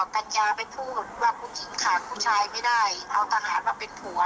กัญญาไปพูดว่าผู้หญิงขาดผู้ชายไม่ได้เอาทหารมาเป็นผัว